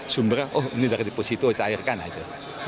sumbernya oh ini dari deposito saya cairkan aja